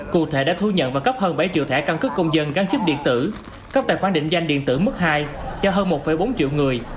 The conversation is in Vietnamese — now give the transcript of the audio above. cụ thể đã thu nhận và cấp hơn bảy triệu thẻ căn cước công dân gắn chức điện tử cấp tài khoản định danh điện tử mức hai cho hơn một bốn triệu người